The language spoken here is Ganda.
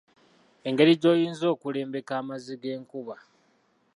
Engeri gy'oyinza okulembeka amazzi g'enkuba.